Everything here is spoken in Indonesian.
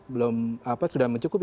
belum apa sudah mencukupi